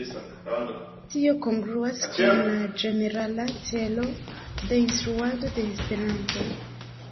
Tio kongruas kun la ĝenerala celo de instruado de Esperanto.